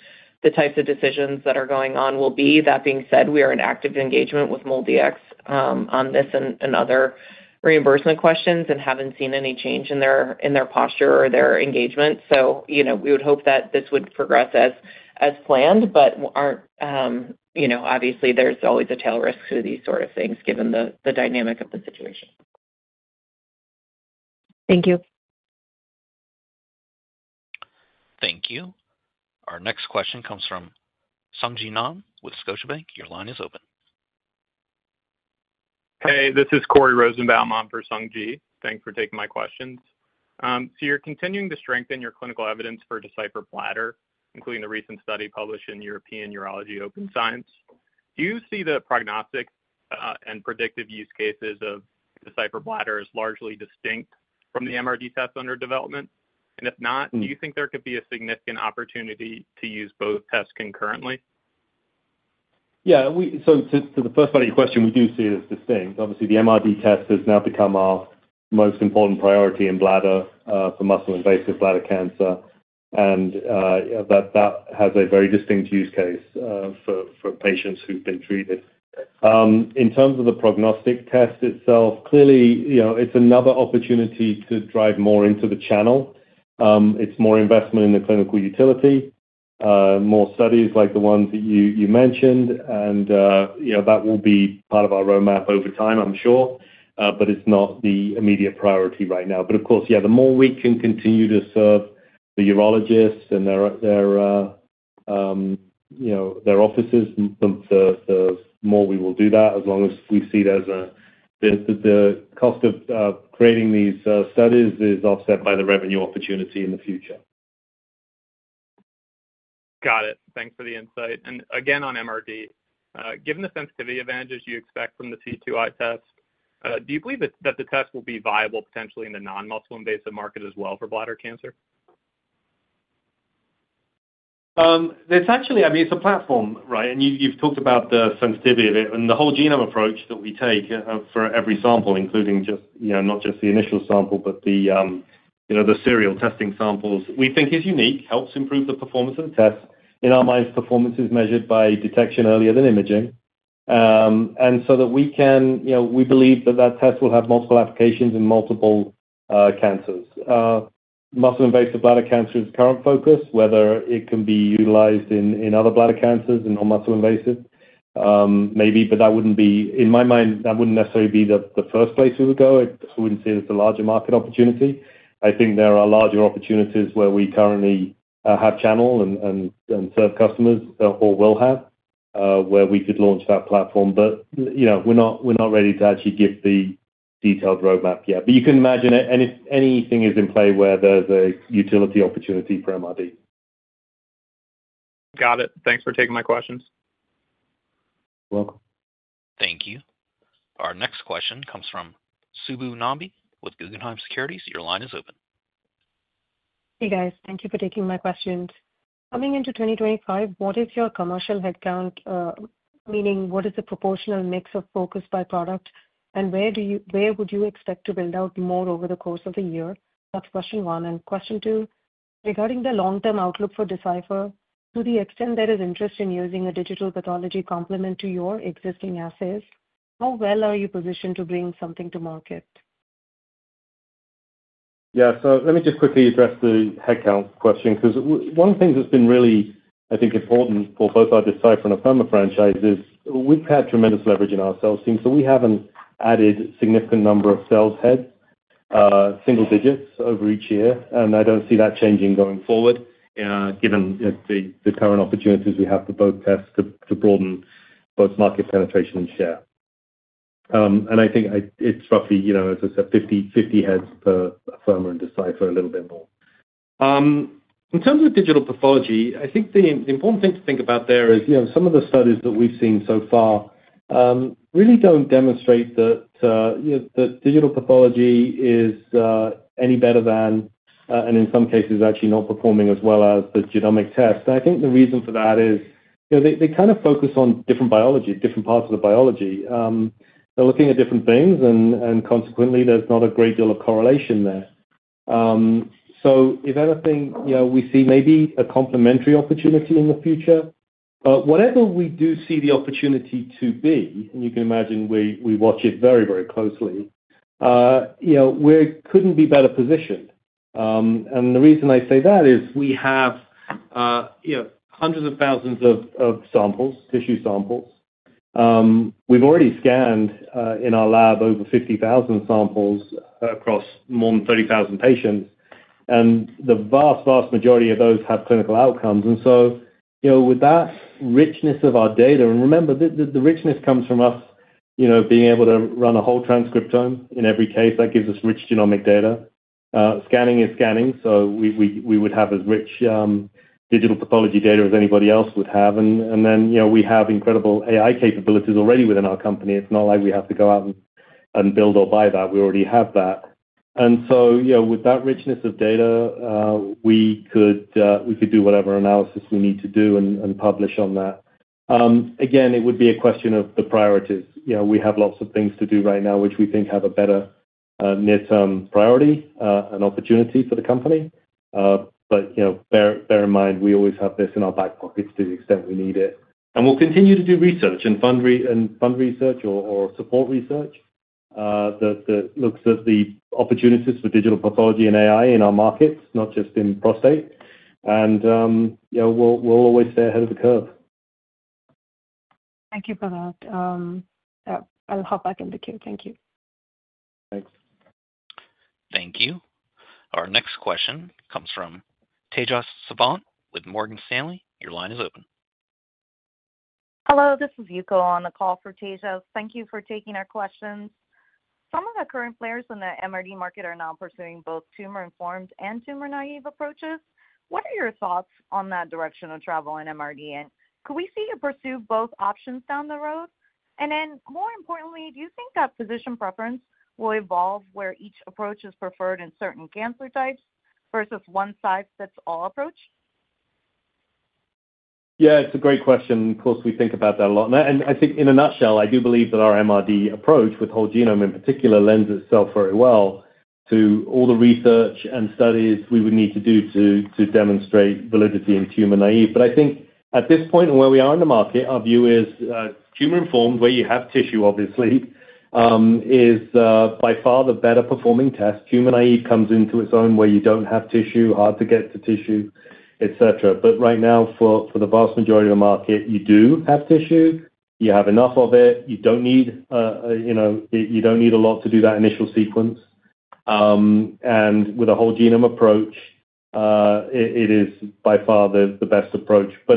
the types of decisions that are going on will be. That being said, we are in active engagement with MolDX on this and other reimbursement questions and haven't seen any change in their posture or their engagement. So we would hope that this would progress as planned, but obviously, there's always a tail risk to these sort of things given the dynamic of the situation. Thank you. Thank you. Our next question comes from Sung Ji Nam with Scotiabank. Your line is open. Hey, this is Corey Rosenbaum. I'm for Sung Ji. Thanks for taking my questions. So you're continuing to strengthen your clinical evidence for Decipher Bladder, including the recent study published in European Urology Open Science. Do you see the prognostic and predictive use cases of Decipher Bladder as largely distinct from the MRD test under development? And if not, do you think there could be a significant opportunity to use both tests concurrently? Yeah. So to the first part of your question, we do see it as distinct. Obviously, the MRD test has now become our most important priority in bladder for muscle-invasive bladder cancer, and that has a very distinct use case for patients who've been treated. In terms of the prognostic test itself, clearly, it's another opportunity to drive more into the channel. It's more investment in the clinical utility, more studies like the ones that you mentioned, and that will be part of our roadmap over time, I'm sure, but it's not the immediate priority right now. But of course, yeah, the more we can continue to serve the urologists and their offices, the more we will do that as long as we see it as the cost of creating these studies is offset by the revenue opportunity in the future. Got it. Thanks for the insight. Again, on MRD, given the sensitivity advantages you expect from the C2i test, do you believe that the test will be viable potentially in the non-muscle-invasive market as well for bladder cancer? I mean, it's a platform, right? And you've talked about the sensitivity of it and the whole genome approach that we take for every sample, including not just the initial sample, but the serial testing samples. We think it's unique, helps improve the performance of the test. In our minds, performance is measured by detection earlier than imaging. And so that we can, we believe that that test will have multiple applications in multiple cancers. Muscle-invasive bladder cancer is the current focus, whether it can be utilized in other bladder cancers, non-muscle-invasive, maybe, but that wouldn't be, in my mind, that wouldn't necessarily be the first place we would go. I wouldn't see it as a larger market opportunity. I think there are larger opportunities where we currently have channel and serve customers or will have where we could launch that platform, but we're not ready to actually give the detailed roadmap yet. But you can imagine anything is in play where there's a utility opportunity for MRD. Got it. Thanks for taking my questions. You're welcome. Thank you. Our next question comes from Subbu Nambi with Guggenheim Securities. Your line is open. Hey, guys. Thank you for taking my questions. Coming into 2025, what is your commercial headcount? Meaning, what is the proportional mix of focus by product, and where would you expect to build out more over the course of the year? That's question one. Question two, regarding the long-term outlook for Decipher, to the extent there is interest in using a digital pathology complement to your existing assets, how well are you positioned to bring something to market? Yeah. Let me just quickly address the headcount question because one of the things that's been really, I think, important for both our Decipher and Afirma franchises is we've had tremendous leverage in our sales team, so we haven't added a significant number of sales heads, single digits, over each year. I don't see that changing going forward, given the current opportunities we have for both tests to broaden both market penetration and share. I think it's roughly, as I said, 50 heads per Afirma and Decipher, a little bit more. In terms of digital pathology, I think the important thing to think about there is some of the studies that we've seen so far really don't demonstrate that digital pathology is any better than, and in some cases, actually not performing as well as the genomic test. And I think the reason for that is they kind of focus on different biology, different parts of the biology. They're looking at different things, and consequently, there's not a great deal of correlation there. So if anything, we see maybe a complementary opportunity in the future. But whatever we do see the opportunity to be, and you can imagine we watch it very, very closely, we couldn't be better positioned. And the reason I say that is we have hundreds of thousands of samples, tissue samples. We've already scanned in our lab over 50,000 samples across more than 30,000 patients, and the vast, vast majority of those have clinical outcomes, and so with that richness of our data, and remember, the richness comes from us being able to run a whole transcriptome in every case, that gives us rich genomic data. Scanning is scanning, so we would have as rich digital pathology data as anybody else would have, and then we have incredible AI capabilities already within our company. It's not like we have to go out and build or buy that. We already have that, and so with that richness of data, we could do whatever analysis we need to do and publish on that. Again, it would be a question of the priorities. We have lots of things to do right now, which we think have a better near-term priority and opportunity for the company. But bear in mind, we always have this in our back pockets to the extent we need it. And we'll continue to do research and fund research or support research that looks at the opportunities for digital pathology and AI in our markets, not just in prostate. And we'll always stay ahead of the curve. Thank you for that. I'll hop back in the queue. Thank you. Thanks. Thank you. Our next question comes from Tejas Savant with Morgan Stanley. Your line is open. Hello. This is Yuko on the call for Tejas. Thank you for taking our questions. Some of the current players in the MRD market are now pursuing both tumor-informed and tumor-naive approaches. What are your thoughts on that direction of travel in MRD? And could we see you pursue both options down the road? Then more importantly, do you think that physician preference will evolve where each approach is preferred in certain cancer types versus one size-fits-all approach? Yeah, it's a great question. Of course, we think about that a lot. I think in a nutshell, I do believe that our MRD approach with whole genome in particular lends itself very well to all the research and studies we would need to do to demonstrate validity in tumor-naive. But I think at this point and where we are in the market, our view is tumor-informed, where you have tissue, obviously, is by far the better-performing test. Tumor-naive comes into its own where you don't have tissue, hard to get to tissue, etc. But right now, for the vast majority of the market, you do have tissue. You have enough of it. You don't need a lot to do that initial sequence. With a whole genome approach, it is by far the best approach. As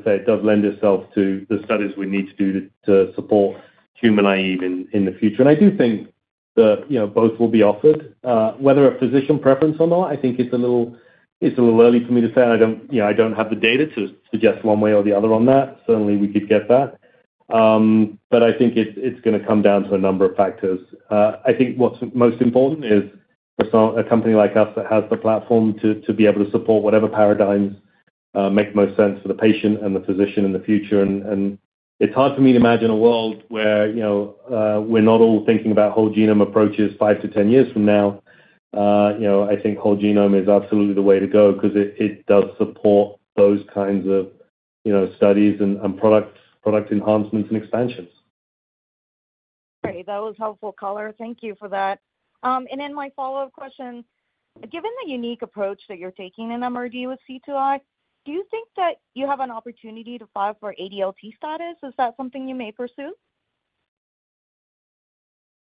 I say, it does lend itself to the studies we need to do to support tumor-naive in the future. I do think that both will be offered. Whether a physician preference or not, I think it's a little early for me to say. I don't have the data to suggest one way or the other on that. Certainly, we could get that. I think it's going to come down to a number of factors. I think what's most important is a company like us that has the platform to be able to support whatever paradigms make most sense for the patient and the physician in the future. It's hard for me to imagine a world where we're not all thinking about whole genome approaches five to 10 years from now. I think whole genome is absolutely the way to go because it does support those kinds of studies and product enhancements and expansions. All right. That was helpful, color. Thank you for that. And then my follow-up question, given the unique approach that you're taking in MRD with C2i, do you think that you have an opportunity to file for ADLT status? Is that something you may pursue?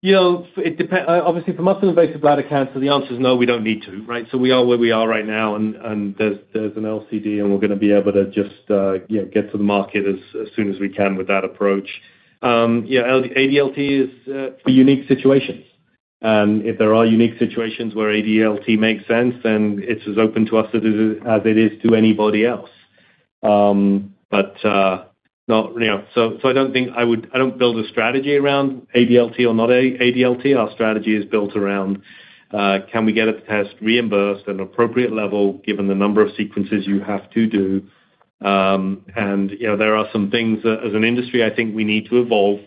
Obviously, for muscle-invasive bladder cancer, the answer is no, we don't need to, right? So we are where we are right now, and there's an LCD, and we're going to be able to just get to the market as soon as we can with that approach. ADLT is a unique situation. And if there are unique situations where ADLT makes sense, then it's as open to us as it is to anybody else. But so I don't think I would. I don't build a strategy around ADLT or not ADLT. Our strategy is built around, can we get a test reimbursed at an appropriate level given the number of sequences you have to do? And there are some things that, as an industry, I think we need to evolve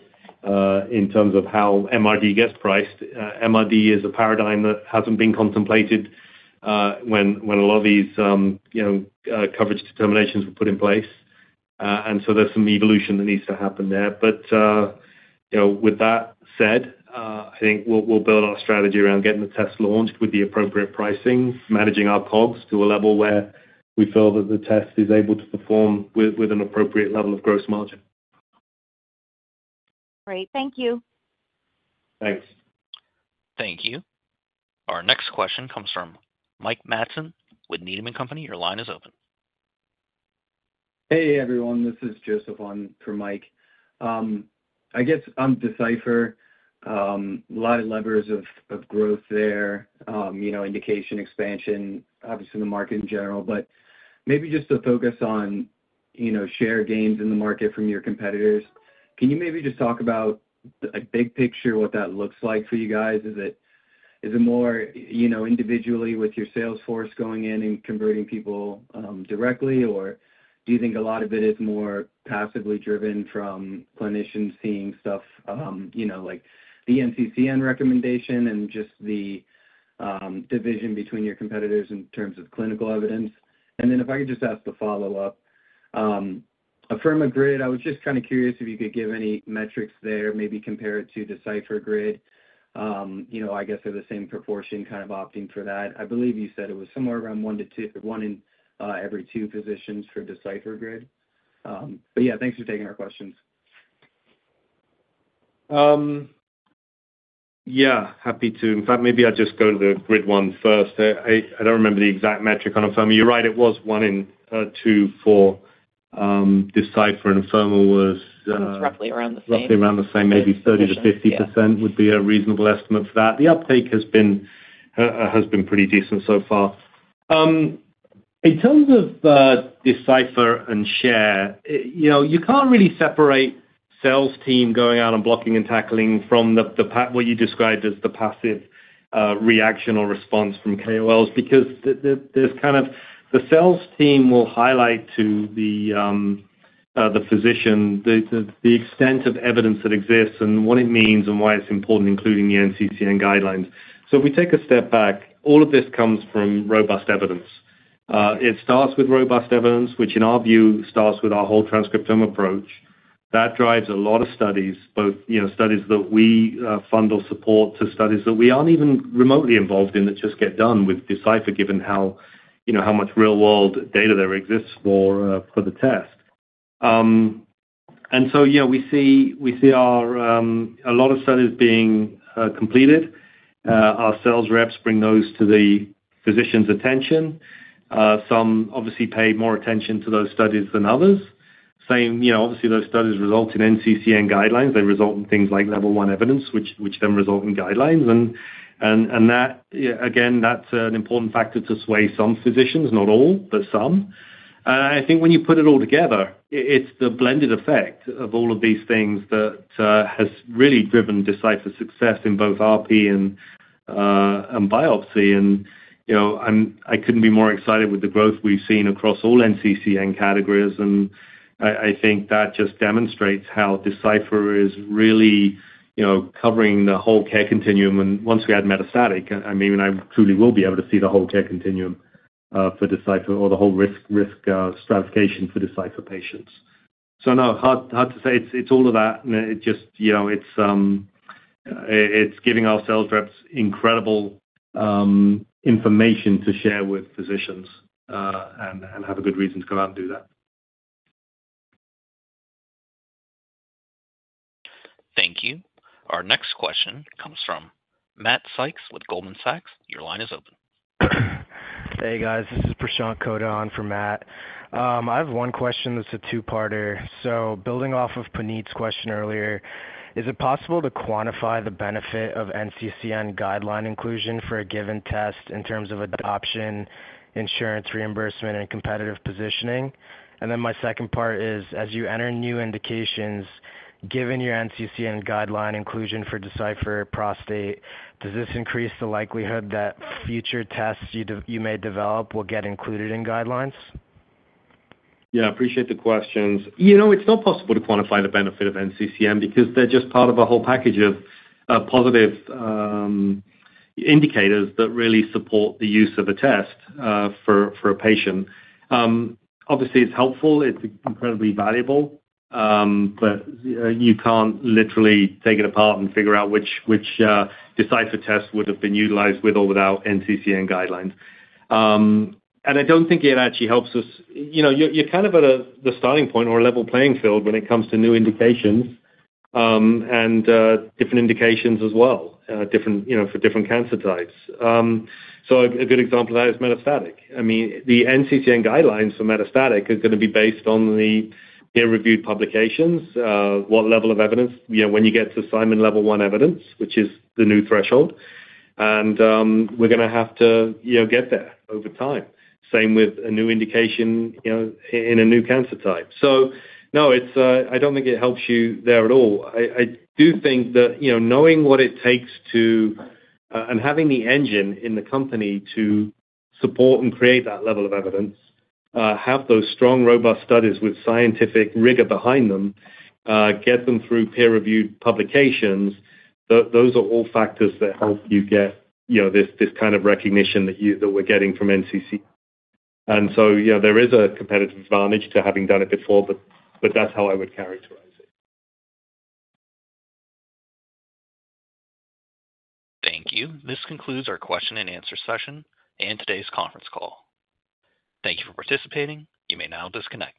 in terms of how MRD gets priced. MRD is a paradigm that hasn't been contemplated when a lot of these coverage determinations were put in place. And so there's some evolution that needs to happen there. But with that said, I think we'll build our strategy around getting the test launched with the appropriate pricing, managing our COGS to a level where we feel that the test is able to perform with an appropriate level of gross margin. Great. Thank you. Thanks. Thank you. Our next question comes from Mike Matson with Needham & Company. Your line is open. Hey, everyone. This is Joseph for Mike. I guess on Decipher, a lot of levers of growth there, indication expansion, obviously the market in general, but maybe just to focus on share gains in the market from your competitors. Can you maybe just talk about, big picture, what that looks like for you guys? Is it more individually with your sales force going in and converting people directly, or do you think a lot of it is more passively driven from clinicians seeing stuff like the NCCN recommendation and just the division between your competitors in terms of clinical evidence? And then if I could just ask the follow-up, Afirma GRID, I was just kind of curious if you could give any metrics there, maybe compare it to Decipher GRID. I guess they're the same proportion, kind of opting for that. I believe you said it was somewhere around one in every two physicians for Decipher GRID. But yeah, thanks for taking our questions. Yeah. Happy to. In fact, maybe I'll just go to the GRID one first. I don't remember the exact metric on Afirma. You're right. It was one in two for Decipher and Afirma was. It's roughly around the same. Roughly around the same. Maybe 30%-50% would be a reasonable estimate for that. The uptake has been pretty decent so far. In terms of Decipher GRID, you can't really separate sales team going out and blocking and tackling from what you described as the passive reaction or response from KOLs because there's kind of the sales team will highlight to the physician the extent of evidence that exists and what it means and why it's important, including the NCCN guidelines. So if we take a step back, all of this comes from robust evidence. It starts with robust evidence, which in our view starts with our whole transcriptome approach. That drives a lot of studies, both studies that we fund or support to studies that we aren't even remotely involved in that just get done with Decipher, given how much real-world data there exists for the test. And so we see a lot of studies being completed. Our sales reps bring those to the physician's attention. Some obviously pay more attention to those studies than others. Obviously, those studies result in NCCN guidelines. They result in things like level one evidence, which then result in guidelines. And again, that's an important factor to sway some physicians, not all, but some. And I think when you put it all together, it's the blended effect of all of these things that has really driven Decipher's success in both RP and biopsy. And I couldn't be more excited with the growth we've seen across all NCCN categories. And I think that just demonstrates how Decipher is really covering the whole care continuum. And once we add metastatic, I mean, I truly will be able to see the whole care continuum for Decipher or the whole risk stratification for Decipher patients. So, no. Hard to say. It's all of that. And it's giving our sales reps incredible information to share with physicians and have a good reason to go out and do that. Thank you. Our next question comes from Matt Sykes with Goldman Sachs. Your line is open. Hey, guys. This is Prashant Kota for Matt. I have one question. It's a two-parter. So building off of Puneet's question earlier, is it possible to quantify the benefit of NCCN guideline inclusion for a given test in terms of adoption, insurance reimbursement, and competitive positioning? And then my second part is, as you enter new indications, given your NCCN guideline inclusion for Decipher Prostate, does this increase the likelihood that future tests you may develop will get included in guidelines? Yeah. I appreciate the questions. It's not possible to quantify the benefit of NCCN because they're just part of a whole package of positive indicators that really support the use of a test for a patient. Obviously, it's helpful. It's incredibly valuable. But you can't literally take it apart and figure out which Decipher test would have been utilized with or without NCCN guidelines. And I don't think it actually helps us. You're kind of at the starting point or a level playing field when it comes to new indications and different indications as well for different cancer types. So a good example of that is metastatic. I mean, the NCCN guidelines for metastatic is going to be based on the peer-reviewed publications, what level of evidence when you get to Simon Level 1 evidence, which is the new threshold. And we're going to have to get there over time. Same with a new indication in a new cancer type. So no, I don't think it helps you there at all. I do think that knowing what it takes to and having the engine in the company to support and create that level of evidence, have those strong, robust studies with scientific rigor behind them, get them through peer-reviewed publications, those are all factors that help you get this kind of recognition that we're getting from NCCN. And so there is a competitive advantage to having done it before, but that's how I would characterize it. Thank you. This concludes our question-and-answer session and today's conference call. Thank you for participating. You may now disconnect.